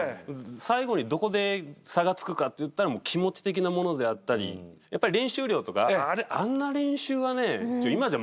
最後にどこで差がつくかっていったら気持ち的なものであったりやっぱり練習量とかそうだろうね。